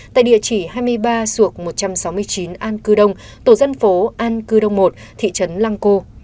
tại địa chỉ hai mươi ba xuộng một trăm sáu mươi chín an cư đông tổ dân phố an cư đông một thị trấn lăng cô